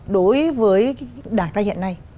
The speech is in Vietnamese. đối với đảng ta hiện nay